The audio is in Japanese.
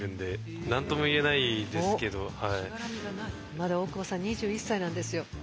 まだ大久保さん２１歳なんですよ。